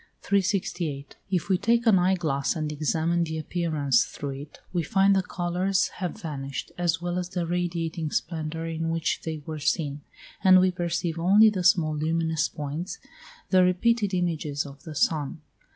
368. If we take an eye glass, and examine the appearance through it, we find the colours have vanished, as well as the radiating splendour in which they were seen, and we perceive only the small luminous points, the repeated images of the sun.